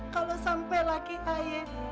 kalau sampai lagi ayah